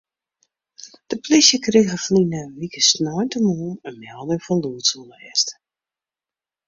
De polysje krige ferline wike sneintemoarn in melding fan lûdsoerlêst.